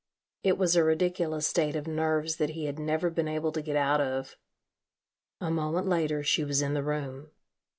It was a ridiculous state of nerves that he had never been able to get out of. A moment later she was in the room.